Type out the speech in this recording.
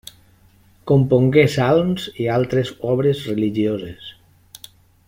Compongué salms i altres obres religioses.